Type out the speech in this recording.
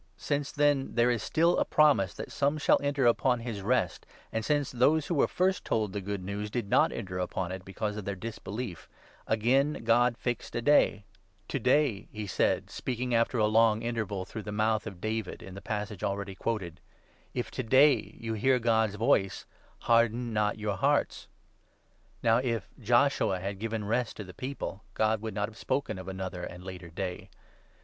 Since, then, there is still a promise that some shall enter upon this Rest, and since those who were first told the Good News did not enter upon it, because of their disbelief, again God fixed a day. 'To day,' he said, speaking after a 7 19 Ps. 95. 7— ii. " Num. 14. 29. 1 3 Ps. 95. ii. 8 4 Gen. a. a. «» Pa. 95. ii, 7—8. HEBREWS, 4 5. 435 long interval through the mouth of David, in the passage already quoted —' If to day you hear God's voice Harden not your hearts.' Now if Joshua had given ' Rest ' to the people, God would 8 not have spoken of another and later day.